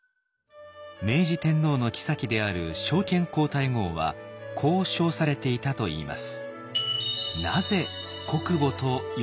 明治天皇の后である昭憲皇太后はこう称されていたといいます。